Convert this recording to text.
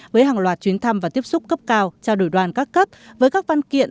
với hàng loạt chuyến thăm và tiếp xúc cấp cao trao đổi đoàn các cấp với các văn kiện